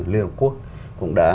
liên hợp quốc cũng đã